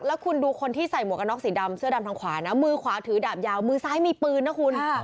แล้วคุณดูคนที่ใส่หมวกกันน็อกสีดำเสื้อดำทางขวานะมือขวาถือดาบยาวมือซ้ายมีปืนนะคุณ